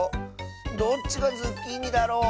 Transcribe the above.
どっちがズッキーニだろ？